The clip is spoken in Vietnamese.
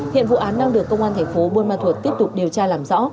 hiện vụ án đang được công an thành phố bô ma thuộc tiếp tục điều tra làm rõ